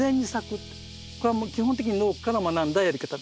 これはもう基本的に農家から学んだやり方です。